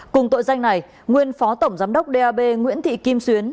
cùng tội danh này nguyên phó tổng giám đốc dap nguyễn thị kim xuyến